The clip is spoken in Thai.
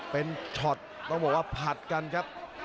เป็นช็อตต้องบอกว่าผัดกันครับ